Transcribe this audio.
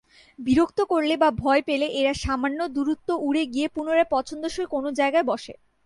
বিরক্ত করলে বা ভয় পেলে এরা সামান্য দূরত্ব উড়ে গিয়ে পুনরায় পছন্দসই কোনো জায়গায় বসে।